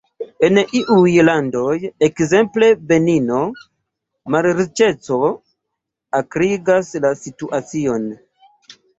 En iuj landoj – ekzemple Benino – malriĉeco akrigas la situacion.